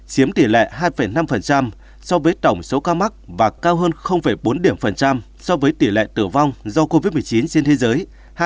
chiếm tỷ lệ hai năm so với tổng số ca mắc và cao hơn bốn so với tỷ lệ tử vong do covid một mươi chín trên thế giới hai một